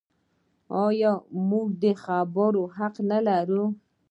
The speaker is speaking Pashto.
آیا موږ د خبرو حق نلرو؟